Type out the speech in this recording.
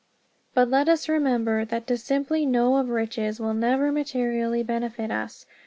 But let us remember that to simply know of riches will never materially benefit us.